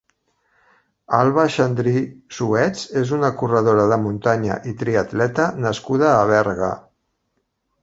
Alba Xandri Suets és una corredora de muntanya i triatleta nascuda a Berga.